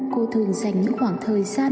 cô thường dành những khoảng thời gian